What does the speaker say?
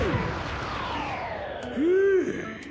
フゥ。